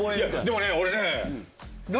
でもね俺ね。